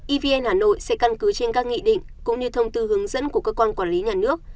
evn hà nội sẽ căn cứ trên các nghị định cũng như thông tư hướng dẫn của cơ quan quản lý nhà nước